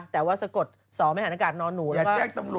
แต่ว่าสะกดสมหานักการณ์นอนหนูแล้วก็อย่อยักษ์สละ